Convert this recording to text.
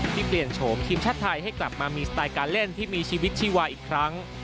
เปลี่ยนโฉมทีมชาติไทยให้กลับมามีสไตล์การเล่นที่มีชีวิตชีวาอีกครั้ง